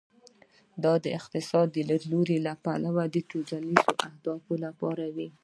دا د اقتصادي لیدلوري له پلوه د ټولنیز هدف لپاره وي.